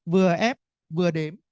vừa ép vừa đếm